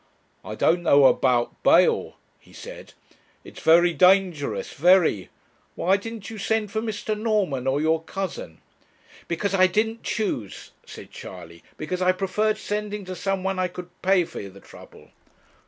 'I don't know about bail,' he said: 'it's very dangerous, very; why didn't you send for Mr. Norman or your cousin?' 'Because I didn't choose,' said Charley 'because I preferred sending to some one I could pay for the trouble.'